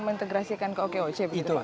mengintegrasikan ke okoc itu